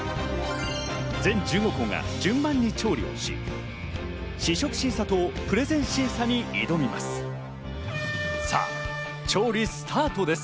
全１５校が順番に調理をし、試食審査とプレゼン審査に挑みます。